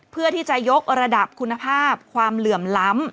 เพื่อที่จะยกระดับคุณภาพความเหลื่อมล้ำ